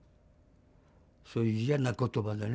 そういう嫌な言葉でね。